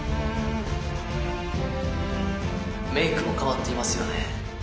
メイクも変わっていますよね。